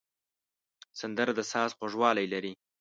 سندره د ساز خوږوالی لري